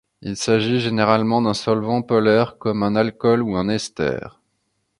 Il s’agit généralement d’un solvant polaire comme un alcool ou un ester.